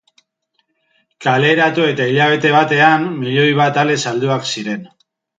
Kaleratu eta hilabete batean, milioi bat ale salduak ziren.